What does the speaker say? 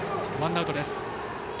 ワンアウトです。